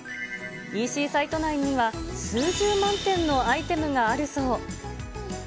ＥＣサイト内には、数十万点のアイテムがあるそう。